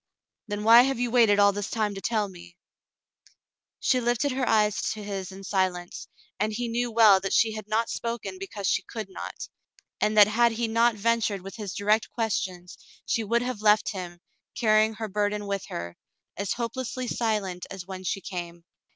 "Then why have you waited all this time to tell me ?" She lifted her eyes to his in silence, and he knew well that she had not spoken because she could not, and that had he not ventured with his direct questions, she would have left him, carrying her burden with her, as hopelessly silent as when she came.